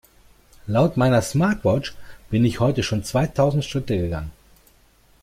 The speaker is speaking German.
Laut meiner Smartwatch bin ich heute schon zweitausend Schritte gegangen.